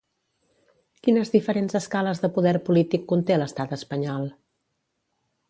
Quines diferents escales de poder polític conté l'estat espanyol?